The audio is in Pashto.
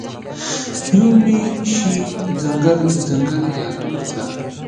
یومي شي ځنګل، ځنګل یادونوته